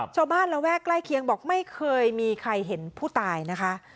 ระแวกใกล้เคียงบอกไม่เคยมีใครเห็นผู้ตายนะคะ